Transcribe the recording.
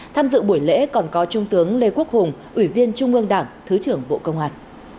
tham dự buổi lễ còn có trung tướng lê quốc hùng ủy viên trung ương đảng thứ trưởng bộ công an